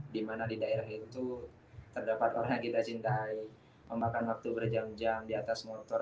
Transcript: di mana di daerah itu terdapat orang yang kita cintai memakan waktu berjam jam di atas motor